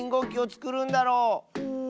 うん。